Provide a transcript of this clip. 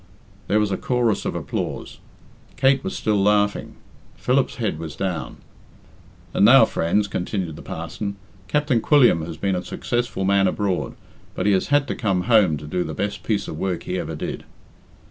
There was a chorus of applause. Kate was still laughing. Philip's head was down. "And now, friends," continued the parson, "Captain Quilliam has been a successful man abroad, but he has had to come home to do the best piece of work he ever did."